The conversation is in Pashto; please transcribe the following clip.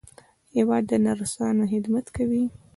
هېواد د نرسانو خدمت دی.